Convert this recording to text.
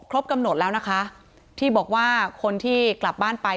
กำหนดแล้วนะคะที่บอกว่าคนที่กลับบ้านไป